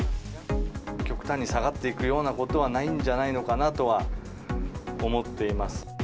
極端に下がっていくようなことはないんじゃないのかなとは思っています。